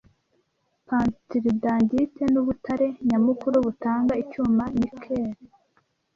Pentlandite nubutare nyamukuru butanga icyuma Nickel